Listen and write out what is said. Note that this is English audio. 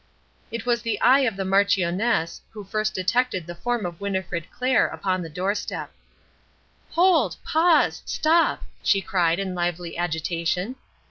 It was the eye of the Marchioness which first detected the form of Winnifred Clair upon the doorstep. "Hold! pause! stop!" she cried, in lively agitation.